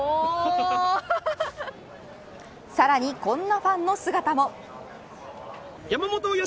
さらに、こんなファンの姿も。